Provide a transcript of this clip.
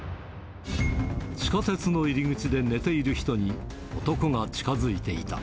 地下鉄の入り口で寝ている人に、男が近づいていた。